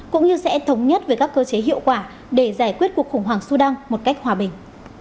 cũng như sẽ thống nhất về các cơ chế hiệu quả để giải quyết cuộc khủng hoảng sudan một cách hòa bình